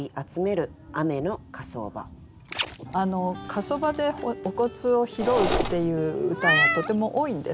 火葬場でお骨を拾うっていう歌はとても多いんですけどね。